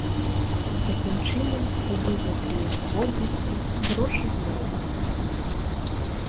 Такім чынам, у выпадку неабходнасці, грошы знойдуцца.